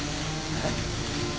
えっ？